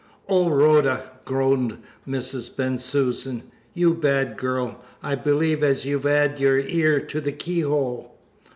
"Oh, Rhoda!" groaned Mrs. Bensusan. "You bad gal! I believe as you've 'ad your ear to the keyhole."